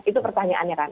itu pertanyaannya kan